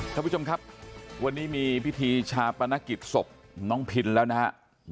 ท่านผู้ชมครับวันนี้มีพิธีชาปนกิจศพน้องพินแล้วนะครับ